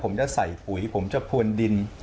ผมจะใส่ปุ๋ยผมจะพวนดิน